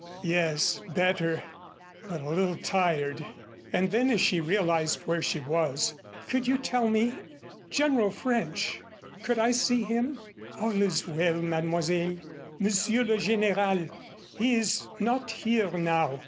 "Yes, better but a little tired." And then, as she realized where she was, "Could you tell me ? General French could I see him?" "All is well, mademoiselle. Monsieur le General he is not here now.